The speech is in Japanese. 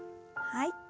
はい。